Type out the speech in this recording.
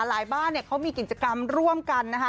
บ้านเนี่ยเขามีกิจกรรมร่วมกันนะคะ